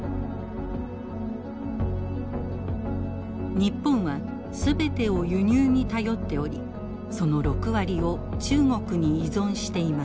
日本は全てを輸入に頼っておりその６割を中国に依存しています。